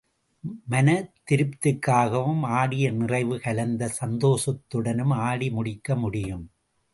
மன திருப்திக்காகவும், ஆடிய நிறைவு கலந்த சந்தோஷத்துடனும் ஆடி முடிக்க முடியும்.